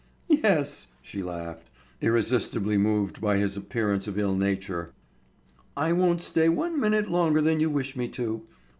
"Yes," she laughed, irresistibly moved by his appearance of ill nature. "I won't stay one minute longer than you wish me to.